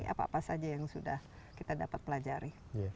apa apa saja yang sudah kita dapat pelajari